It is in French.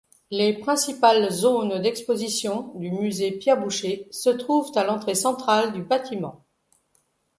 Les principales zones d'exposition du musée Pierre-Boucher se trouvent à l'entrée centrale du bâtiment.